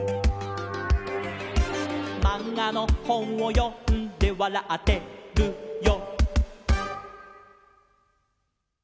「まんがのほんをよんでわらってるよ」